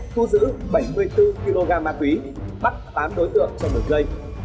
thu giữ bảy mươi bốn kg ma túy bắt tám đối tượng trong đường dây